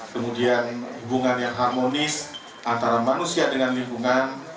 kemudian hubungan yang harmonis antara manusia dengan lingkungan